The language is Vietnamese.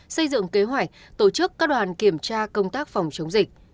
xây dựng kế hoạch tổ chức các đoàn kiểm tra công tác phòng chống dịch